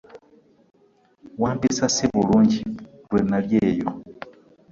Wampisa si bulungi lwe nnali eyo!